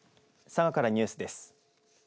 佐賀からニュースです。